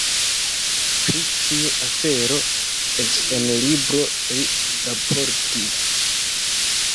Pri tiu afero eĉ en libro li raportis.